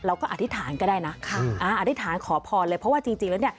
อธิษฐานก็ได้นะค่ะอ่าอธิษฐานขอพรเลยเพราะว่าจริงแล้วเนี่ย